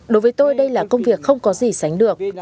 đối với tôi đây là công việc không có gì sánh được